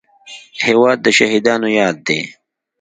هېواد د شهیدانو یاد دی.